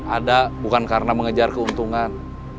ada bukan karena mengejar keuntungan